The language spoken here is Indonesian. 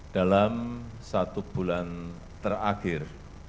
dalam satu bulan terakhir